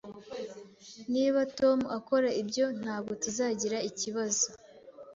Niba Tom akora ibyo, ntabwo tuzagira ikibazo